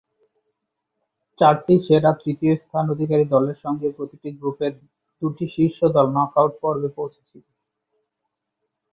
চারটি সেরা তৃতীয় স্থান অধিকারী দলের সঙ্গে প্রতিটি গ্রুপের দুটি শীর্ষ দল নক-আউট পর্বে পৌঁছেছিল।